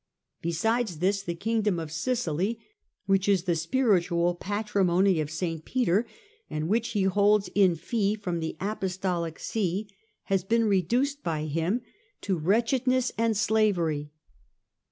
Besides this, the Kingdom of Sicily, which is the spiritual patrimony of St. Peter, and which he holds in fee from the Apostolic See, has been reduced by him to 240 STUPOR MUNDI wretchedness and slavery.